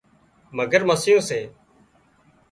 مگرمسيون سي